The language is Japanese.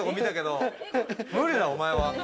無理だ、お前は。